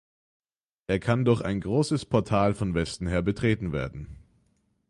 Er kann durch ein großes Portal von Westen her betreten werden.